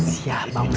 siap pak ustadz